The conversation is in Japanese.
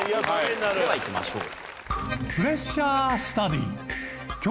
ではいきましょう。